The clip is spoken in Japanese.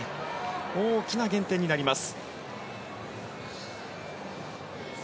大きな減点になります。